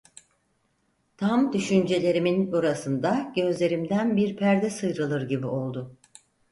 Tam düşüncelerimin burasında gözlerimden bir perde sıyrılır gibi oldu.